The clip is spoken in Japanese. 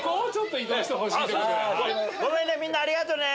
ごめんねみんなありがとね！